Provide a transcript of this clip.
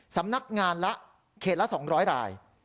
สำนักงานละเขตละ๒๐๐ราย